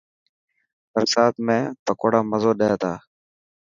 برستا ۾ پڪوڙا مزو ڏي تا.